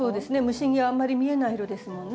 虫にあんまり見えない色ですもんね。